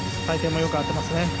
回転もよく合っていますね。